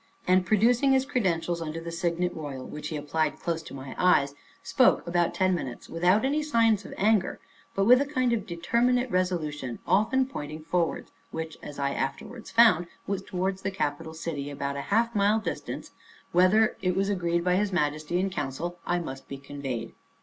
And producing his credentials under the signet royal, which he applied close to my eyes, spoke about ten minutes, without any signs of anger, but with a kind of determinate resolution; often pointing forwards, which, as I afterwards found, was towards the capital city, about half a mile distant, whither, it was agreed by his Majesty in council, that I must be conveyed.